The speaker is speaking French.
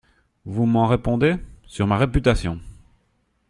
Vous m'en répondez ? Sur ma réputation.